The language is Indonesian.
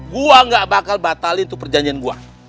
gue gak bakal batalin tuh perjanjian gue